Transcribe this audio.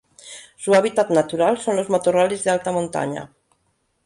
Su hábitat natural son los matorrales de alta montaña.